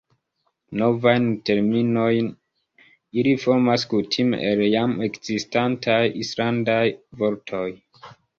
Novajn terminojn ili formas kutime el jam ekzistantaj islandaj vortoj.